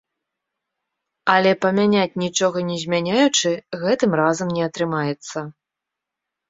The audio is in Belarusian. Але памяняць, нічога не змяняючы, гэтым разам не атрымаецца.